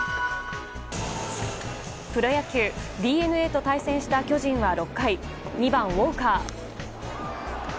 プロ野球ＤｅＮＡと対戦した巨人は６回２番、ウォーカー。